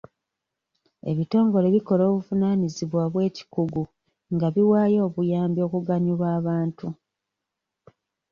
Ebitongole bikola obuvunaanyizibwa bw'ekikungu nga biwaayo obuyambi okuganyula abantu.